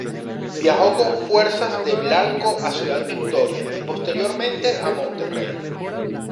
Viajó con fuerzas de Blanco a Ciudad Victoria y posteriormente a Monterrey.